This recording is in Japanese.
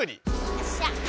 よっしゃ！